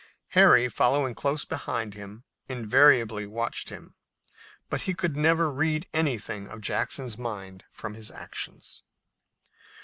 Harry, following close behind him, invariably watched him, but he could never read anything of Jackson's mind from his actions.